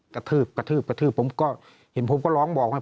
กระทืบกระทืบกระทืบผมก็เห็นผมก็ร้องบอกนะ